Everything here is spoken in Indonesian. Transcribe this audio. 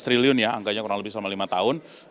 lima belas triliun ya angkanya kurang lebih selama lima tahun